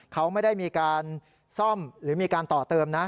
เขาไม่ได้มีการซ่อมหรือมีการต่อเติมนะ